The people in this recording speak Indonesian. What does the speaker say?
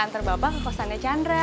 antur bapak ke kosannya chandra